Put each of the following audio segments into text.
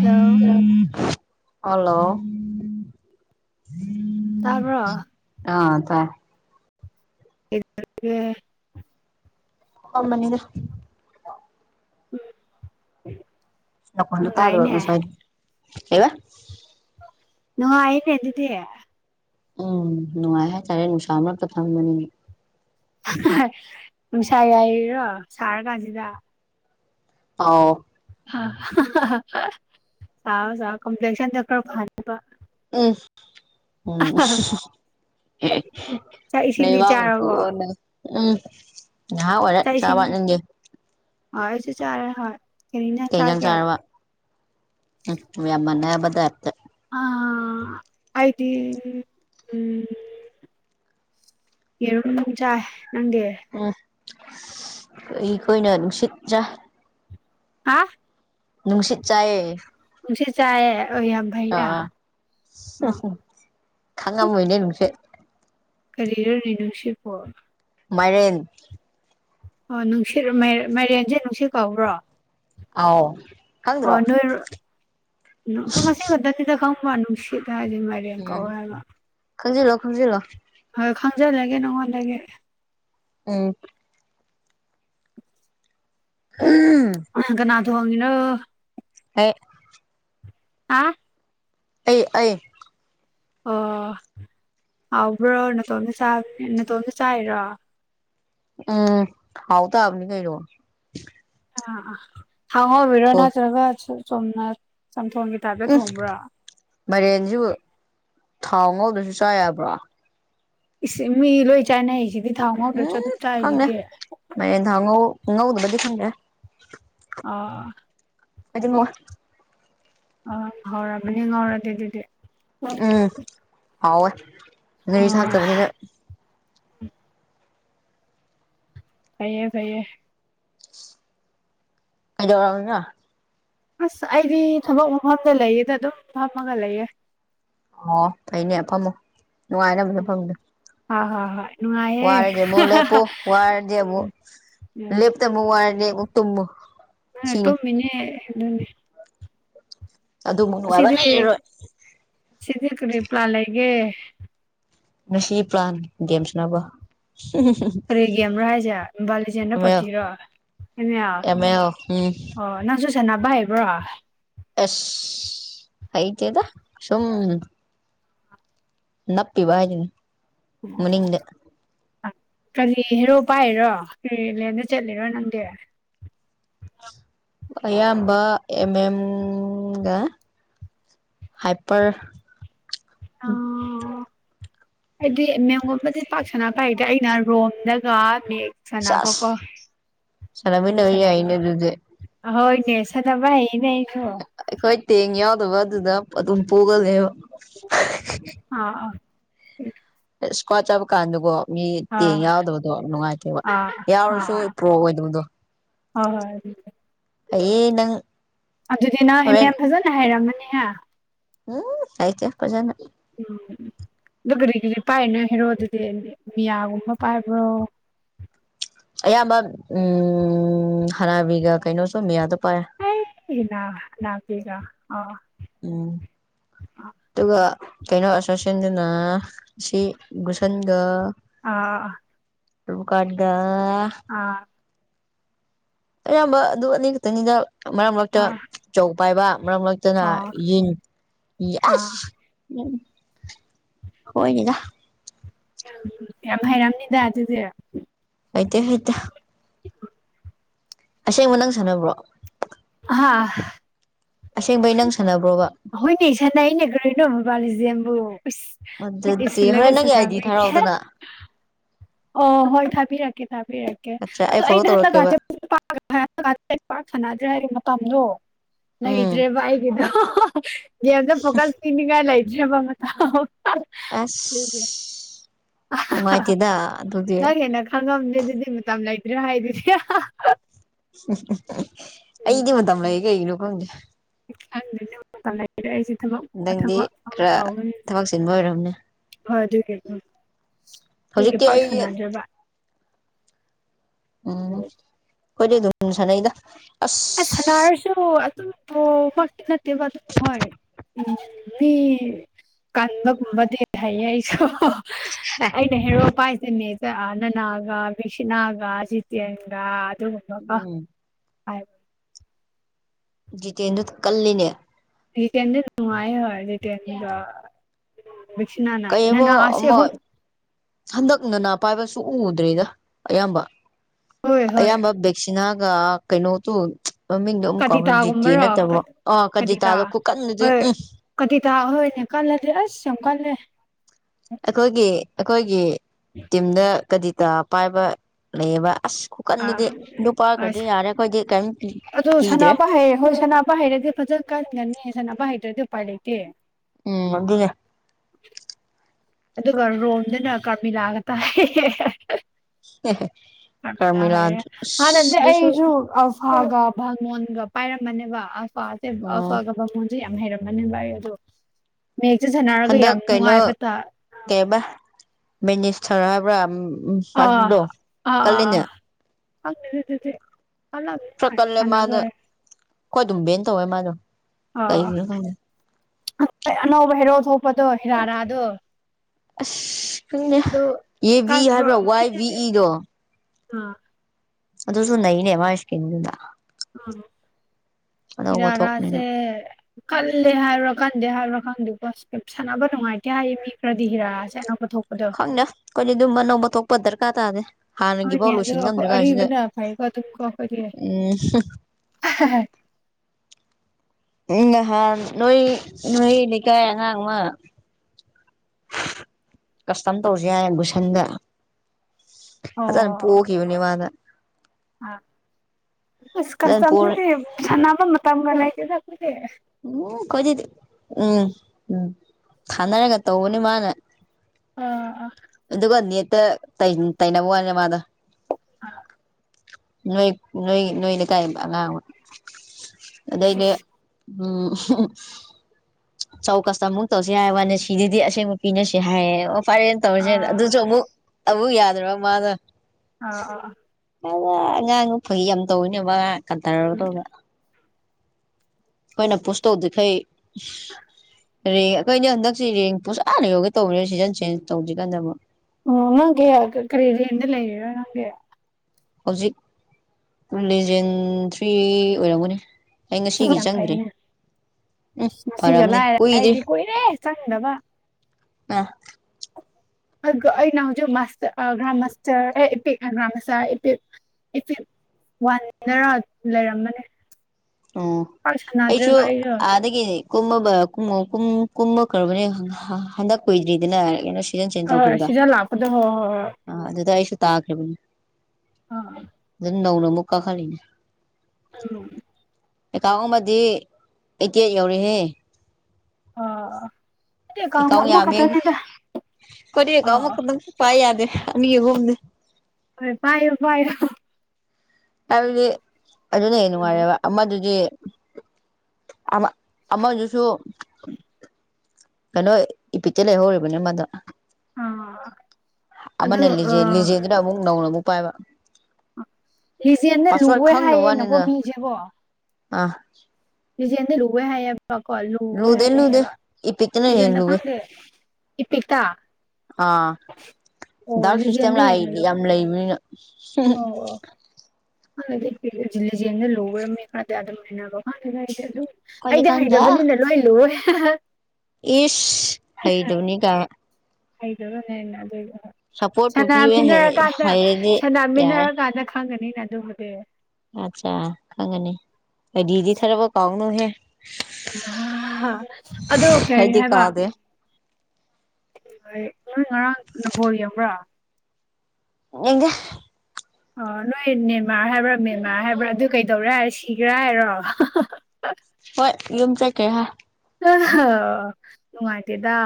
Hello ꯇꯥꯔꯕꯣ ꯑ ꯇꯥꯏ [unintelligible] ꯑꯣꯝꯕꯅꯤꯗ ꯎꯝ ꯇꯥꯗ ꯑꯣꯏ ꯁꯥꯏ ꯑꯦꯕ ꯅꯪꯉꯣ ꯑꯩ ꯀꯦꯗꯤ ꯎꯝ ꯅꯨꯡꯉꯥꯏ ꯍꯥꯏꯇꯥꯔꯦ ꯅꯨꯡꯁꯥ ꯃꯔ ꯃꯔꯛꯇ ꯐꯝꯕꯅꯤ ꯅꯨꯡꯁꯥ ꯌꯥꯏꯔꯣ ꯁꯥꯔ ꯀꯥꯟꯁꯤꯗ ꯑꯥꯎ ꯁꯥ ꯁꯥ ꯀꯝꯄ꯭ꯂꯦꯛꯁ ꯎꯝꯐ ꯎꯝ ꯆꯥꯛ ꯅ ꯏꯁꯤꯡꯗꯤ ꯋꯥꯉꯨ ꯊꯨ ꯑꯣ ꯆꯥꯔꯕꯣ ꯎꯝ ꯉꯍꯥꯛ ꯑꯣꯏꯔꯦ ꯆꯥꯕꯠꯅꯤꯡꯒꯦ ꯍꯣꯏꯁ ꯆꯔ ꯍꯣꯏ ꯀꯔꯤ ꯏꯟꯖꯥꯡ ꯌꯦꯟꯖꯥꯡ ꯆꯥꯒꯦ ꯆꯥꯔꯕ ꯎ ꯌꯥꯝ ꯃꯥꯟꯅꯔꯕ ꯇꯥꯏꯞꯇ ꯑ ꯑꯗꯤ ꯎꯝ ꯌꯦꯔꯨꯝ ꯑꯗꯨꯝ ꯆꯥꯏ ꯅꯪꯒꯤ ꯎꯝ ꯑꯩꯈꯣꯏꯅ ꯅꯨꯡꯁꯤꯠꯇ꯭ꯔꯥ ꯍꯥ ꯅꯨꯡꯁꯤꯠ ꯆꯥꯏꯌꯦ ꯅꯨꯡꯁꯤ ꯆꯥꯏꯦ ꯑꯣꯏ ꯌꯥꯝ ꯐꯩꯅ ꯑꯥ ꯑꯣ ꯈꯪꯉꯝ ꯑꯣꯏꯣꯏꯅꯦ ꯅꯅꯨꯡꯁꯨꯦ ꯀꯔꯤꯔꯣꯔꯤ ꯅꯨꯡꯁꯤꯕꯣ ꯃꯔꯤꯦꯟ ꯑꯣ ꯅꯨꯡꯁꯤꯠ ꯃꯥꯏꯔꯦꯟꯁꯦ ꯅꯨꯡꯁꯤꯠ ꯀꯧꯕꯥꯎ꯭ꯔꯣ ꯑꯥꯎ ꯈꯪꯗ꯭ꯔꯣ ꯑꯣꯅ ꯉꯁ ꯀꯗ ꯀꯗ ꯈꯥꯎ ꯐ ꯁꯤꯗ ꯍꯥꯏꯖꯤ ꯃꯔꯤ ꯎꯝ ꯀꯋꯥꯦꯕ ꯈꯪꯖꯤꯜꯂꯣ ꯈꯪꯖꯤꯜꯂꯣ ꯍꯣꯏ ꯈꯪꯖꯜꯂꯒꯦ ꯅꯣꯡꯉꯜꯂꯒꯦ ꯎꯝ [inaudible] ꯎꯝ ꯀꯅꯥꯗꯣ ꯍꯣꯡꯉꯤꯅꯣ ꯑꯩ ꯑꯥ ꯑꯦ ꯑꯩ ꯑꯣ ꯍꯥꯎꯕ꯭ꯔꯣ ꯅꯇꯣꯝꯇ ꯅꯇꯣꯝꯇ ꯆꯥꯏꯔꯣ ꯎꯝ ꯍꯥꯎ ꯇꯕꯅꯤ ꯀꯩꯣ ꯑꯥ ꯑꯥ ꯍꯥꯡꯍꯧꯕꯕꯤꯔꯣ ꯎꯝ ꯅꯠꯇ꯭ꯔꯒ ꯆꯣꯝꯅ ꯆꯝꯊꯣꯡꯕꯤ ꯎꯝ ꯃꯥꯏꯔꯦꯟꯁꯤꯕꯨ ꯊꯥꯎ ꯉꯧꯗꯁꯨ ꯆꯥꯕ꯭ꯔꯣ ꯃꯤ ꯂꯣꯏ ꯆꯥꯏꯅꯁꯤꯗꯤ ꯎꯝ ꯈꯪꯉꯦ ꯃ ꯊ ꯉꯧ ꯉꯎꯗꯕꯗꯤ ꯈꯪꯒꯦ ꯑꯣ ꯑꯗꯨ ꯑꯣ ꯍꯧꯔꯕꯅꯤ ꯉꯧꯔꯗꯤ ꯑꯗꯨꯗꯤ ꯎꯝ ꯍꯥꯎꯋꯦ ꯉꯔꯤ ꯑꯥ ꯊꯥꯛꯇꯕꯅꯤꯅ ꯐꯌꯦ ꯐꯌꯦ ꯑꯗ ꯋꯥꯉ ꯑꯁ ꯑꯩꯗꯤ ꯊꯕꯛ ꯃꯐꯝꯗ ꯂꯩꯌꯦꯗ ꯑꯗꯨꯝ ꯐꯝꯃꯒ ꯂꯩꯌꯦ ꯑꯣ ꯐꯩꯅꯦ ꯐꯝꯃꯣ ꯅꯨꯡꯉꯥꯏꯅꯕꯅꯦꯐꯝꯗ ꯍ ꯍ ꯍ ꯋꯥꯔꯗꯤ ꯑꯃꯨꯛ ꯂꯦꯞꯄꯨ ꯋꯥꯔꯗꯤ ꯑꯃꯨꯛ ꯂꯦꯞꯇ ꯑꯃꯨꯛ ꯋꯥꯔꯗꯤ ꯑꯃꯨꯛ ꯇꯨꯝꯃꯨ ꯑ ꯁꯤꯅꯤ ꯇꯣꯃꯤꯅꯦ ꯑꯗꯨꯅꯦ ꯑꯗꯨꯃꯨꯛ ꯅꯨꯡꯉꯥꯏꯕ ꯁꯤꯗꯤ ꯂꯩꯔꯔꯣꯏ ꯁꯤꯗꯤ ꯀꯔꯤ ꯄ꯭ꯂꯥ ꯂꯩꯒꯦ ꯅꯨꯡꯁꯤ ꯄ꯭ꯔꯥꯟ ꯒꯦꯝꯁꯅꯕ ꯀꯔꯤ ꯒꯦꯝꯔꯣ ꯍꯥꯏꯁꯦ ꯏꯕꯥꯂꯤꯖꯦꯟꯅ ꯄꯞꯄꯤꯔꯣ ꯑ ꯑꯦꯝ ꯑꯦꯜ ꯎꯝ ꯍꯣꯏ ꯅꯪꯁꯨ ꯁꯦꯅꯥ ꯍꯥꯏꯕ꯭ꯔꯣ ꯑꯦꯁ ꯑꯩꯩꯗꯤꯦꯗ ꯁꯨꯝꯨꯝ ꯅꯞꯄꯤꯕ ꯍꯥꯏ ꯎꯝ ꯀꯔꯤ ꯍꯦꯔꯣ ꯄꯥꯏꯔꯣ ꯀꯔꯤꯂꯦꯟꯗ ꯆꯠꯂꯤꯔꯣ ꯅꯪꯗꯤ ꯑꯌꯥꯝꯕ ꯑꯦꯝ ꯑꯦꯝꯒ ꯍꯥꯏꯄꯔ ꯑ ꯑꯩꯗꯤ ꯃꯦꯟꯒꯣꯟꯕꯗꯤ ꯄꯥꯛꯁꯅ ꯐꯩꯗꯦ ꯑꯩꯅ ꯔꯣꯝꯗꯒ ꯃ ꯁꯅꯥꯕꯣ ꯀꯣ ꯆꯥꯁ ꯁꯥꯟꯅꯃꯤꯟꯅꯕ ꯁꯅꯥꯕ ꯌꯥꯏꯅꯦ ꯑꯗꯨꯗꯤ ꯍꯣꯏ ꯏꯅꯦꯁꯗꯕꯥꯥꯏꯅꯦꯁꯨꯣ ꯑꯩꯈꯣꯏ ꯇꯦꯡ ꯌꯥꯎꯗꯕ ꯑꯗꯨꯗ ꯑꯗꯨꯝ ꯄꯨꯒꯅꯦꯕ ꯑꯥ ꯑ ꯏꯁꯀꯋꯥꯆꯕ ꯀꯥꯟꯒꯣ ꯃꯤ ꯑꯥ ꯇꯦ ꯑꯥ ꯌꯥꯎꯗꯕꯗꯣ ꯅꯨꯡꯉꯥꯏꯇꯦꯕ ꯑꯥ ꯌꯥꯎꯔꯁꯨ ꯑꯥ ꯄ꯭ꯔꯣ ꯑꯣꯏꯗꯕꯗꯣ ꯍꯣꯏ ꯍꯣꯏ ꯑꯗꯨ ꯑꯩ ꯅꯪ ꯑꯗꯨꯗꯤ ꯅꯪ ꯑꯦꯝ ꯍꯣꯔꯦꯟ ꯑꯦꯝ ꯐꯖꯅ ꯍꯥꯏꯔꯝꯃꯅꯤꯍ ꯎꯝ ꯆꯥꯏꯇꯦ ꯄꯖꯅ ꯎꯝ ꯑꯗꯨ ꯀꯔꯤ ꯀꯔꯤ ꯄꯥꯏꯅꯣꯏ ꯍꯥꯏꯔꯣ ꯑꯗꯨꯗꯤ ꯃꯤꯌꯥꯒꯨꯝꯕ ꯄꯥꯏꯕ꯭ꯔꯣ ꯑꯌꯥꯝꯕ ꯎꯝ ꯍꯔꯥꯕꯤꯒ ꯀꯩꯅꯣꯁꯨ ꯃꯌꯥꯗ ꯄꯥꯏꯔꯦ ꯏꯅꯥ ꯂ ꯀꯤꯒ ꯑꯣ ꯎꯝ ꯑꯗꯨꯒ ꯀꯩꯅꯣ ꯑꯁꯔꯁꯟꯗꯨꯅ ꯁꯤ ꯒꯨꯁꯟꯒ ꯑꯥ ꯀꯥꯗ ꯑꯥ ꯑꯌꯥꯝꯕ ꯑꯗꯨ ꯑꯅꯤ ꯈꯛꯇꯪꯅꯤꯗ ꯃꯔꯛ ꯃꯔꯛꯇ ꯑꯥ ꯆꯧ ꯄꯥꯏꯕ ꯃꯔꯛ ꯃꯔꯛꯇ ꯠꯇꯅ ꯑꯣ ꯌꯦꯟ ꯑꯁ ꯑꯥ ꯍꯣꯏꯅꯤꯗ ꯌꯥꯝ ꯐꯥꯏꯔꯝꯅꯤꯗꯖ ꯍꯥꯏꯇ ꯐꯩꯗ [unintelligible] ꯑꯁꯦꯡꯕ ꯅꯪ ꯁꯥꯟꯅꯕ꯭ꯔꯣ ꯍꯥꯥ ꯑꯁꯦꯡꯕꯩ ꯅꯪ ꯁꯥꯟꯅꯕ꯭ꯔꯣꯕ ꯍꯣꯏꯅꯦ ꯏꯁꯥꯅ ꯑꯩꯅ ꯀ꯭ꯔꯅꯣ ꯃ ꯄꯥꯜꯂꯤꯁꯦꯕꯨ ꯑꯗꯨꯗꯤ ꯍꯣꯔꯦꯟ ꯑꯦꯁꯤꯂꯒꯦꯁ ꯅꯪꯒꯤ ꯅ ꯑꯥꯏꯗꯤ ꯀ ꯊꯥꯔꯛꯑꯣꯗꯅ ꯑꯣ ꯍꯣꯏ ꯊꯥꯕꯤꯔꯛꯀꯦ ꯊꯥꯕꯤꯔꯛꯀꯦ ꯅꯠꯇ꯭ꯔꯥ ꯑꯣ ꯑꯩ ꯐꯣꯂꯣ ꯇꯧꯔꯛꯀꯦꯕ ꯑꯩꯩꯅ ꯄꯥꯛ ꯁꯥꯟꯅꯗ꯭ꯔꯦ ꯍꯥꯏꯕꯒꯤ ꯃꯗꯣ ꯎꯝ ꯅꯪꯗ꯭ꯔꯦꯕ ꯍꯒꯗ ꯦꯦꯝꯗ ꯐꯣꯀꯁ ꯇꯤꯟꯒꯥꯏꯂ ꯏ꯭ꯔꯦꯕ ꯃ ꯑꯁ ꯅꯨꯡꯉꯥꯏꯇꯦꯗ ꯑꯗꯨꯗꯤ ꯅꯪ ꯍꯦꯟꯅ ꯈꯪꯉꯝꯗꯦ ꯑꯗꯨꯗꯤ ꯃꯇꯝ ꯂꯩꯇ꯭ꯔꯦ ꯍꯥꯏꯗꯨꯗꯤ ꯑꯩꯗꯤ ꯃꯇꯝ ꯂꯩ ꯀꯩꯒꯤꯅꯣ ꯈꯪꯗꯦ ꯪ ꯂꯩꯕꯤꯔ ꯑꯩꯁꯦ ꯊꯕꯛ ꯅꯪꯗꯤ ꯊꯕꯛ ꯑꯃꯛ ꯈꯔ ꯐꯥꯎꯕꯅꯤ ꯊꯕꯛ ꯆꯤꯟꯕ ꯑꯣꯏꯔꯝꯅꯦ ꯍꯣꯏ ꯑꯗꯨꯒꯤꯝ ꯑꯗꯨꯒꯤ ꯍꯧꯖꯤꯛꯇꯤ ꯄꯥꯛ ꯑꯩꯗꯤ ꯁꯅꯖ꯭ꯔꯕ ꯎꯝ ꯀꯣꯏꯅ ꯨ ꯁꯅ ꯑꯩꯗ ꯑ ꯁ ꯇ ꯑ ꯐꯇ ꯅꯠꯇ ꯍꯣꯏ ꯃꯤ ꯀꯟꯕꯒꯨꯝꯕꯗꯤ ꯍꯩꯌꯦ ꯑꯩꯁꯨ ꯑꯩꯅ ꯍꯦꯔꯣ ꯄꯥꯏꯦ ꯗ ꯑꯅꯅꯒ ꯀꯁꯅꯒ ꯑꯖꯤꯇꯒ ꯑꯗꯨ ꯑꯗꯨ ꯎꯝ ꯐ ꯖꯤꯇꯦꯟꯗꯨꯗ ꯀꯜꯂꯤꯅꯦ ꯍ ꯀꯦꯟꯗ ꯊꯨꯡꯉꯥꯏ ꯍꯗ ꯁꯤꯅꯥꯅꯥ ꯅ ꯑꯁꯦ ꯍꯣ ꯍꯟꯗꯛꯅꯅ ꯄꯥꯏꯕꯁꯨ ꯎꯗ꯭ꯔꯦꯗ ꯑꯌꯥꯝꯕ ꯍꯣꯏ ꯍꯣꯏ ꯑꯌꯥꯝꯕ ꯁꯤꯅꯒ ꯑ ꯀꯩꯅꯣ ꯇꯨ ꯃꯃꯤꯡꯗꯣ ꯑꯃꯨꯛ ꯀꯥꯎ ꯖꯤꯠꯇꯤ ꯀꯗꯤꯇꯥꯒꯨꯝꯕꯔꯣ ꯅꯠꯇꯕ ꯑ ꯀꯖꯤꯇꯥꯥꯗꯣꯈꯨꯀꯟꯗꯨꯗꯤ ꯎꯝ ꯀꯇꯤ ꯇꯥ ꯍꯣꯏꯅꯦ ꯀꯜꯂꯗꯤ ꯑꯁ ꯌꯥꯝ ꯀꯜꯂꯦ ꯑꯩꯈꯣꯏꯒꯤ ꯑꯩꯈꯣꯏꯒꯤ ꯇꯤꯝꯗ ꯀꯗꯤ ꯇꯥ ꯄꯥꯏꯕ ꯂꯩꯌꯦꯕ ꯑꯁ ꯈꯨ ꯑꯥ ꯀꯟꯗꯨꯗꯤ ꯅꯨꯄꯥ ꯒꯗꯤ ꯌꯥꯔꯦ ꯑꯩꯈꯣꯏꯗꯤ ꯀꯔꯤꯝ ꯀꯤ ꯑꯗꯣ ꯁꯅꯥꯄꯥ ꯍꯩꯔꯦ ꯍꯣꯏ ꯁꯅꯥꯄꯥ ꯍꯩꯔꯗꯤ ꯐꯖꯅ ꯀꯟꯒꯅꯤ ꯁꯅꯄꯥ ꯍꯩꯇ꯭ꯔꯗꯤ ꯎꯄꯥꯏ ꯂꯩꯇꯦ ꯎꯝ ꯑꯗꯨꯅꯤ ꯑꯗꯨꯒ ꯔꯣꯝꯗꯅ ꯀꯔꯃꯤꯂꯥꯒ ꯇꯥꯏ ꯀꯔꯃꯤꯂꯥ [inaudible] ꯑꯁ ꯑꯗꯨꯁꯨ ꯑꯥꯒ ꯚꯃꯣꯟꯒ ꯄꯥꯏꯔꯃꯅꯦꯕ ꯑꯥꯐꯇꯤ ꯑꯣ ꯑꯐꯥꯒ ꯚꯤꯃꯣꯟ ꯌꯥꯝ ꯍꯩꯔꯝꯃꯅꯤ ꯚꯏ ꯑꯗꯣ ꯃꯌꯦꯛꯁꯦ ꯁꯥꯟꯅꯔꯒ ꯌꯥꯝ ꯅꯨꯡꯉꯥꯏꯕ ꯇꯥ ꯑꯣ ꯀꯦꯕ ꯃꯤꯅꯤꯁꯇꯔ ꯍꯥꯏꯕ꯭ꯔꯥ ꯎ ꯑ ꯑ ꯈꯪꯗꯤ ꯑꯗꯨꯗꯤ ꯀꯜꯂꯝꯅꯤ ꯃꯥ ꯄꯀꯂꯦ ꯁꯥꯟꯅꯕ ꯃꯥꯗ ꯀꯣꯗꯨꯨꯝꯕꯦꯅ ꯇꯧꯋꯦ ꯃꯥꯗ ꯑ ꯑꯅꯧꯕ ꯍꯦꯔꯣ ꯊꯣꯛꯄꯗꯣ ꯍꯤꯌꯔꯥꯗꯣ ꯑꯁ ꯈꯪꯗꯦ ꯌꯦ ꯚꯤ ꯀꯟꯕ꯭ꯔꯣ ꯍꯥꯏꯕ꯭ꯔ ꯃꯤ ꯋꯥꯏ ꯚꯤ ꯅꯠꯇꯦ ꯏꯗꯣ ꯑꯥ ꯑꯗꯨꯁꯨꯅꯩꯅꯦ ꯃꯥꯏ ꯏꯁꯀꯦꯟꯗꯨꯗ ꯎ ꯀꯤꯔ ꯊꯣꯛꯄꯅꯤꯅ ꯑꯔꯥꯥꯁꯦ ꯀꯜꯂꯦ ꯍꯥꯏꯔꯣ ꯀꯟꯗꯦ ꯍꯥꯏꯔꯣ ꯈꯪꯗꯦꯀꯣ ꯀꯩ ꯁꯥꯟꯅꯕ ꯅꯨꯡꯉꯥꯏꯇꯦ ꯍꯥꯏꯌꯦ ꯃꯤ ꯈꯔꯗꯤ ꯍꯤꯔꯥꯁꯦ ꯑꯅꯧꯕ ꯊꯣꯛꯄꯗ ꯪꯈꯪꯗꯦ ꯑꯈꯣꯏꯗꯤ ꯑꯗꯨꯝ ꯑꯅꯧꯕ ꯊꯣꯛꯄ ꯗꯔꯀꯥꯔ ꯇꯥꯔꯦ ꯍꯅꯦ ꯑꯗꯣ ꯑꯔꯤꯕꯅ ꯐꯩꯀꯣ ꯑꯗꯨꯝ ꯀꯣ ꯑꯩꯈꯣꯏꯗꯤ ꯎꯝ ꯎꯝ ꯅꯍꯥꯟ ꯅꯣꯏ ꯅꯣꯏ ꯂꯩꯀꯥꯏ ꯑꯉꯥꯡ ꯑꯃ ꯀꯁꯇꯝ ꯇꯧꯁ ꯌꯥꯏ ꯕꯨꯁꯟꯗ ꯑꯣ ꯑꯖꯅ ꯄꯣꯈꯤꯕꯅꯦ ꯃꯗ ꯑꯁ ꯄꯣꯔ ꯀꯁꯇꯝꯗꯨꯗꯤ ꯁꯅꯥꯕ ꯃꯇꯝꯒ ꯂꯩ ꯇꯤꯗ‌ ꯈꯣꯏꯗꯤ ꯎꯝ ꯑꯩꯈꯣꯏꯗꯤ ꯎꯝ ꯎꯝ ꯊꯥꯅꯔꯒ ꯇꯧꯕꯅꯤ ꯃꯥꯅ ꯑꯥ ꯑꯥ ꯑꯗꯨꯒ ꯅꯦꯛꯇ ꯇꯩ ꯇꯩꯅꯕꯩ ꯋꯥꯅꯦ ꯃꯥꯅ ꯑ ꯅꯣꯏ ꯅꯣꯏ ꯅꯣꯏꯅ ꯀꯥꯏ ꯑꯉꯥꯡ ꯑꯗꯩꯗꯤ ꯎꯝ ꯆꯧꯀꯁꯇ ꯑꯃꯨꯛ ꯇꯧꯁꯤ ꯍꯥꯏꯕ ꯋꯥꯅꯤ ꯁꯤꯗꯗꯤ ꯑꯁꯦꯡꯕ ꯄꯤꯅꯁꯤ ꯍꯥꯏꯌꯦ ꯑꯣ ꯐꯔꯦ ꯇꯧꯔꯁꯦꯅ ꯑꯥ ꯑꯗꯨꯁꯨ ꯑꯃꯨꯛ ꯑꯃꯨꯛ ꯌꯥꯗ꯭ꯔꯕꯥꯃꯥꯅ ꯑ ꯑꯗ ꯑꯉꯥꯡꯅ ꯐꯒꯤ ꯌꯥꯝ ꯇꯧꯕꯅꯦꯕ ꯀꯟꯗꯔꯒ ꯇꯧ ꯑꯩꯈꯣꯏꯅ ꯄꯨꯁ ꯇꯧꯗ꯭ꯔꯤꯈꯩ ꯔꯦꯡ ꯑꯩꯈꯣꯏꯅꯦ ꯍꯟꯗꯛꯁꯤ ꯔꯦꯡ ꯄꯣꯁꯑ ꯌꯧꯒꯦ ꯇꯧꯕꯅꯦ ꯁꯤꯖꯟ ꯆꯦꯟꯖ ꯇꯧꯗ꯭ꯔꯤ ꯀꯥꯟꯗꯕꯣ ꯑꯣ ꯅꯪ ꯀꯌꯥ ꯀ ꯀꯔꯤ ꯔꯟꯗ ꯂꯩꯔꯤ ꯅꯣ ꯅꯥꯪꯗꯤ ꯍꯧꯖꯤꯛ ꯂꯤꯖꯦꯟ ꯗꯔ꯭ꯤ ꯑꯣꯏꯔꯝꯒꯅꯤ ꯑꯩ ꯑꯁ ꯉꯁꯤꯒꯤ ꯌꯥꯝ ꯆꯪꯗ꯭ꯔꯤ ꯐꯩꯅꯦ ꯎꯝ ꯉꯁꯤꯒ ꯐꯔꯝꯅꯤ ꯂꯥꯏꯔ ꯀꯨꯏꯗ꯭ꯔꯤ ꯑꯩꯗꯤ ꯀꯨꯏꯔꯦ ꯆꯪꯗꯕ ꯑ ꯑꯩꯩꯅ ꯍꯧꯖꯤꯛ ꯃꯥꯁꯇꯔ ꯑ ꯒꯔꯅ ꯃꯥꯁꯇꯔ ꯏꯄꯤꯞ ꯏꯄꯤꯞ ꯋꯥꯟꯅꯔ ꯂꯩꯔꯝꯃꯅꯤ ꯑꯣ ꯀꯩꯁꯨ ꯑꯩꯗꯣ ꯑꯗ ꯅꯦ ꯀꯨꯝꯃꯕ ꯀꯝ ꯀꯨꯝꯃꯈ꯭ꯔꯕꯅꯦ ꯍꯟꯗꯛ ꯀꯨꯏꯗ꯭ꯔꯤꯗꯅ ꯁꯤꯖꯟ ꯁꯤꯖ ꯑꯍꯣꯏ ꯇꯧꯈꯤꯕꯗꯣ ꯁꯤꯗ ꯂꯥꯛꯄꯗꯣ ꯍꯣꯏ ꯍꯣꯏ ꯑꯥ ꯑꯗꯨꯗ ꯑꯩꯁꯨ ꯇꯥꯈꯤꯕꯅꯤ [inaudible] ꯑꯥ ꯑꯗꯨꯝ ꯅꯧꯅ ꯑꯃꯨꯛ ꯀꯥꯈꯠꯂꯤꯅꯦ ꯎꯂ ꯑꯦꯀꯥꯎ ꯑꯃꯗꯤ ꯑꯩꯠꯇꯤ ꯑꯩꯠ ꯌꯧꯔꯛꯍꯦ ꯑꯣ ꯏꯀ ꯌꯥꯃꯤ ꯀ ꯀ ꯑꯥ ꯑꯃꯝ ꯄꯥꯏ ꯌꯥꯗꯦ ꯑꯨꯝꯗꯦ ꯍꯣꯏ ꯄꯥꯏꯌꯣ ꯄꯥꯏꯣ ꯍꯥꯏꯕꯗꯤ ꯑꯗꯨꯅ ꯍꯦꯟꯅ ꯅꯨꯡꯉꯥꯏꯔꯦꯕ ꯑꯃꯗꯨꯗꯤ ꯑꯃ ꯑꯃꯗꯨꯁꯨ ꯀꯩꯅꯣ ꯏꯄꯤꯆ ꯂꯩꯍꯧꯔꯤꯕꯅꯤ ꯃꯗ ꯑꯥ ꯑꯗꯨ ꯑꯃꯅ ꯂꯤ ꯑꯥ ꯂꯤꯖꯦꯗꯨꯅ ꯑꯃꯨꯛ ꯅꯧꯅ ꯑꯃꯨꯛ ꯄꯥꯏꯕ ꯂꯤꯖꯦꯅ ꯄꯥꯁꯋꯥꯔꯗ ꯂꯨꯋꯦ ꯈꯪꯗꯕ ꯍꯥꯏꯌꯦꯦ ꯅꯀꯣ ꯋꯥꯅꯤꯅ ꯃꯤꯁꯦꯕꯣ ꯑꯥ ꯖꯦꯅꯦ ꯂꯣꯏꯋ ꯍꯥꯏꯌꯦ ꯀꯣ ꯂꯨꯦ ꯂꯨꯗꯦ ꯂꯨꯗꯦ ꯍꯥꯏꯅꯩꯌꯦꯕ ꯏꯄꯤꯛꯇꯅ ꯏꯖꯟꯗ ꯍꯦꯟꯅ ꯂꯨꯋꯦ ꯈꯪꯗꯦ ꯏꯄꯤꯛꯇ ꯑꯥ ꯑꯣ ꯗꯥꯎ ꯁꯤꯁꯇꯦꯝ ꯂꯤꯖꯦꯟꯗ ꯂꯥꯛ ꯍꯦꯟꯅ ꯂꯨ ꯌꯥꯝ ꯂꯩꯕꯅꯤꯅ ꯑꯣ ꯍ ꯄꯖꯤꯂꯦꯁꯤ ꯂꯣ ꯑꯗꯨꯔꯒꯣ ꯑꯗꯨ ꯑꯩꯈꯣꯏꯗꯤ ꯑꯩꯗꯤ ꯈꯪꯗꯦ ꯍꯩꯇꯕꯅꯤꯅ ꯂꯣꯏ ꯂꯨ ꯏꯁ ꯍꯩꯗꯣꯅꯤꯒ ꯍꯩꯗꯕꯅꯦꯅ ꯑꯗꯨꯒ ꯁꯞꯄꯣꯔꯠꯄꯨ ꯄꯤꯕ ꯁꯥꯟꯅꯃꯤꯟꯅꯔꯀꯥꯟꯗ ꯍꯩꯔꯗꯤ ꯌꯥꯔꯦ ꯁꯅꯃꯤꯟꯅꯔꯀꯥꯟꯗ ꯍꯥꯏꯅꯤꯅ ꯑ ꯑꯗꯨ ꯍꯗ ꯑꯠꯆꯥꯥ ꯈꯪꯉꯅꯤ ꯑꯗꯨꯗꯤꯗꯤ ꯊꯔꯕ ꯀꯥꯎꯅꯨꯍꯦ ꯑ ꯀꯔꯤ ꯑꯩꯗꯤ ꯍꯥꯏꯕ ꯀꯥꯎꯗꯦ ꯣꯏ ꯅꯣꯏ ꯉꯔꯥꯡ ꯅꯕꯣ ꯌꯕ꯭ꯔꯥ ꯌꯦꯗꯤ ꯑꯣ ꯅꯣꯏ ꯃꯌꯥꯦꯟꯃꯥꯔ ꯍꯥꯏꯕ꯭ꯔꯥ ꯃꯌꯥꯦꯟꯃꯥꯔ ꯍꯥꯏꯕ꯭ꯔꯥ ꯑꯗꯨ ꯀꯩꯗꯧꯔꯥ ꯍꯥꯏꯔꯣ ꯁꯤꯈ꯭ꯔꯥ ꯍꯥꯏꯔꯣ ꯑ ꯍꯣꯏ ꯌꯨꯝ ꯆꯠꯀꯦ ꯍꯥꯏ ꯑ ꯅꯨꯡꯉꯥꯏꯇꯦꯗ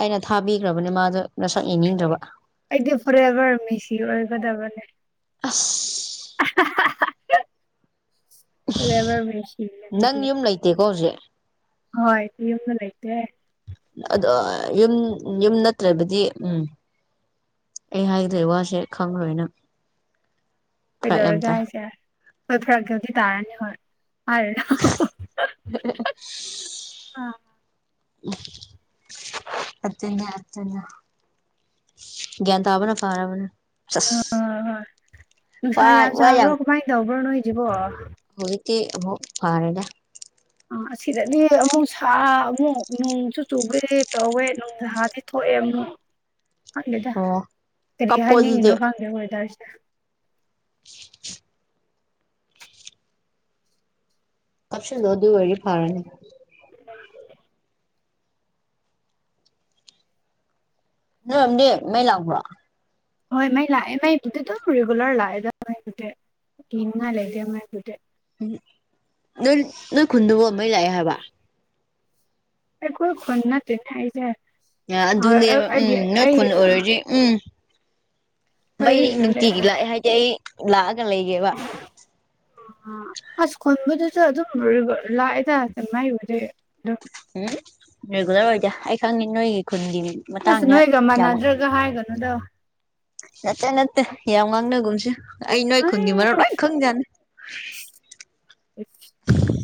ꯑꯩꯅ ꯊꯥꯕꯤꯈ꯭ꯔꯕꯅꯤ ꯃꯥꯗꯣ ꯅꯁꯛ ꯌꯦꯡꯅꯤꯡꯗ꯭ꯔꯕ ꯑꯗꯤ ꯐꯣꯔ ꯑꯦꯕꯔ ꯃꯤꯁꯤ ꯑꯣꯏꯕꯗꯕꯅꯦ ꯑꯁ [unintelligible] ꯐꯔꯕꯔ ꯃꯦꯁꯤ ꯅꯪ ꯌꯨꯝ ꯂꯩꯇꯦꯀꯣ ꯍꯧꯖꯤꯛ ꯍꯣꯏ ꯂꯩꯇ ꯑꯗꯣ ꯌꯨꯝ ꯌꯨꯝ ꯅꯠꯇ꯭ꯔꯕꯗꯤ ꯎꯝ ꯑꯩ ꯍꯥꯏꯗ꯭ꯔꯦ ꯋꯥꯁꯦ ꯈꯪꯣꯏꯅꯪ ꯀꯩꯗꯧꯔꯒ ꯍꯥꯏꯁꯦꯔꯦ ꯍꯣꯏ ꯐꯔꯛꯀꯦ ꯑꯗꯨꯗꯤ ꯇꯥꯔꯅꯤ ꯍꯣꯏ ꯍꯥꯏꯔꯅꯦ ꯑꯥ [unintelligible] ꯑꯆꯆ ꯇꯕꯅ ꯐꯥꯔꯕꯅ ꯆꯁ ꯍꯣꯏ ꯍꯣꯏ ꯄ ꯋꯥꯔ ꯗꯎꯕ꯭ꯔꯅ ꯍꯖꯕ ꯍꯧꯖꯤꯛꯇ ꯑꯃꯛ ꯐꯥꯔꯦꯗ ꯑ ꯑꯁꯤꯗꯗꯤ ꯑꯃꯨꯛ ꯁꯥ ꯑꯃꯨꯛ ꯅꯅꯨꯡꯁꯨꯨ ꯆꯨꯒꯦ ꯇꯧꯋꯦ ꯅꯨꯡꯖꯗꯤ ꯊꯣꯛꯑꯦ ꯑꯃꯨꯛ [unintelligible] ꯈꯪꯒꯦꯗ ꯑꯣ ꯀꯔꯤ ꯀꯞꯄꯣ ꯍꯥꯏꯅꯤꯡꯉꯤꯅꯣ ꯑꯗꯨꯗꯤ ꯈꯪꯗꯦ ꯑꯣꯏꯇꯥꯔꯁꯤ [unintelligible] ꯀꯞꯁꯤꯟꯗꯣ ꯑꯗꯨ ꯋꯥꯔꯤ ꯐꯥꯔꯅꯤ ꯎ ꯃꯦ ꯂ ꯍꯣꯏ ꯃꯥ ꯂꯥꯏꯑꯨꯔꯣ ꯐꯦꯒꯨꯂꯔ ꯂꯥꯏꯑ ꯂꯩꯨꯔ ꯎ ꯅꯣꯏ ꯅꯣꯏ ꯈꯨꯟꯗꯨꯕꯃꯩ ꯂꯥꯛꯑꯦ ꯍꯥꯏꯕ ꯑꯩꯈꯣꯏ ꯈꯨꯣꯟ ꯅ ꯊꯥꯏꯖ ꯑꯗꯨꯅꯦꯕ ꯎꯝ ꯅꯣꯏ ꯈꯨꯜ ꯑꯣꯏꯔꯨꯁ ꯎꯝ ꯑꯩꯈꯣꯏ ꯃꯩ ꯅꯨꯡꯇꯤꯒꯤ ꯂꯥꯛꯑꯦ ꯍꯥꯏꯗꯤ ꯑꯩ ꯂꯥꯛꯑꯒ ꯂꯩꯒꯦꯕ꯫ ꯑ ꯑꯁ ꯈꯨꯟꯕꯗꯨꯁꯨ ꯑꯗꯨꯝ ꯔꯤꯕꯔ ꯂꯥꯛꯑꯦꯗ [unintelligible] ꯎꯝ ꯔꯤꯒꯨꯂꯔ ꯑꯣꯏꯗꯦ ꯑꯩ ꯈꯪꯉꯦ ꯅꯣꯏꯒꯤ ꯈꯨꯟꯒꯤ꯫ ꯑꯁ ꯃꯇꯥꯡꯗ ꯅꯣꯏꯒ ꯌꯥꯝ ꯃꯥꯟꯅꯗ꯭ꯔꯦꯒ ꯍꯥꯏꯒꯅꯨꯗ꯫ ꯅꯠꯇꯦ ꯅꯠꯇꯦ ꯌꯥꯝ ꯉꯥꯡꯅꯒꯨꯝꯁꯦ ꯑꯩ ꯅꯣꯏ ꯈꯨꯟꯒꯤ ꯃꯔꯝ ꯂꯣꯏ ꯑꯁ ꯈꯪꯖꯥꯠꯅꯤ꯫ ꯏꯁ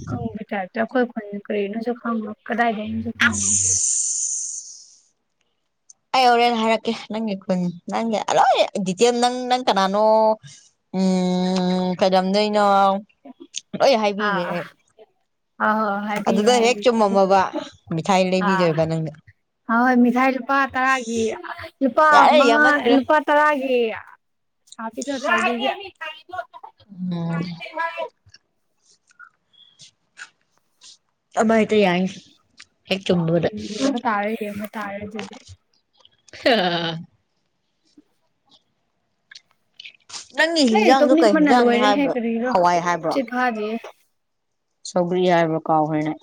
ꯈꯪꯕꯩ ꯇꯥꯏꯞꯇ ꯑꯩꯈꯣꯏ ꯈꯨꯟ ꯀꯔꯤꯅꯣꯁꯨ ꯈꯪꯉꯣꯏ ꯀꯗꯥꯏꯗꯩꯅꯣꯁꯨ ꯈꯪꯉꯣꯏ꯫ ꯑꯁ ꯑꯩ ꯍꯧꯔꯦꯟ ꯍꯥꯏꯔꯛꯀꯦ ꯅꯪꯒꯤ ꯈꯨꯟ ꯅꯪꯒꯤ ꯂꯣꯏ ꯗꯤꯇꯦꯜ ꯅꯪ ꯅꯪ ꯀꯅꯥꯅꯣ꯫ ꯎꯝ ꯀꯩ ꯂꯝꯗꯩꯅꯣ ꯂꯣꯏ ꯍꯥꯏꯕꯤꯒꯦ ꯑꯥ ꯑꯩ꯫ ꯑꯥ ꯍꯥꯏꯕꯤꯌꯣ ꯑꯗꯨꯗ ꯍꯦꯛ ꯍꯥꯏꯕꯤꯌꯣ ꯆꯨꯝꯃꯝꯃꯕ ꯃꯤꯊꯥꯏ ꯑꯥ꯫ ꯂꯩꯕꯤꯗꯣꯏꯕ ꯅꯪꯅ ꯑꯍꯣꯏ ꯃꯤꯊꯥꯏ ꯂꯨꯄꯥ ꯇꯔꯥꯒꯤ ꯂꯨꯄꯥ ꯌꯥꯔꯦ ꯃꯉꯥ ꯌꯥꯝꯃꯟꯈ꯭ꯔꯦ ꯂꯨꯄꯥ꯫ ꯎꯝ [unintelligible] ꯑꯃꯥ ꯍꯦꯛꯇ ꯌꯥꯏꯅꯦ ꯍꯦꯛ ꯆꯨꯝꯕꯗ꯫ ꯌꯦꯡꯕ ꯇꯥꯔꯦ ꯌꯦꯡꯕ ꯇꯥꯔꯦ꯫ ꯈꯥꯍꯍꯍ꯫ ꯅꯪꯒꯤ ꯑꯩ ꯍꯤꯟꯖꯥꯡꯗꯣ ꯀꯩ ꯇꯨꯝꯅꯤꯡꯕꯅ ꯍꯤꯟꯖꯥꯡꯅꯤ ꯂꯣꯏꯔꯦꯍꯦ ꯍꯥꯏꯕ꯭ꯔꯣ ꯀꯔꯤꯔꯣ ꯍꯋꯥꯏ ꯍꯥꯏꯕ꯭ꯔꯣ ꯇꯨꯝꯁꯤꯠ ꯐꯥꯗꯦꯍꯦ꯫ ꯁꯧꯒ꯭ꯔꯤ ꯍꯥꯏꯕ꯭ꯔ ꯀꯥꯎꯒ꯭ꯔꯦꯅꯦ꯫